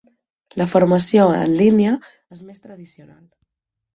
La formació en línia és més tradicional.